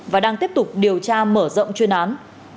và đang tiếp tục điều tra mở rộng chuyên án